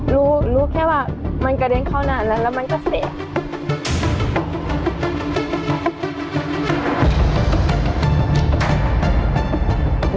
รู้แค่ว่ามันกระเด้นเข้านานแล้วและมันก็เสก